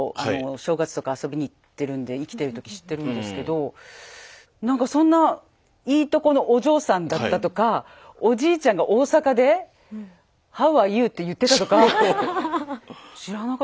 正月とか遊びに行ってるんで生きてる時知ってるんですけどなんかそんないいとこのお嬢さんだったとかおじいちゃんが大阪で「Ｈｏｗａｒｅｙｏｕ？」って言ってたとか知らなかったから。